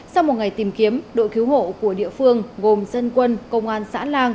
sau một ngày tìm kiếm đội cứu hộ của địa phương gồm dân quân công an xã lang